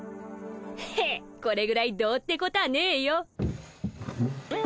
ヘッこれぐらいどうってことはねえよ。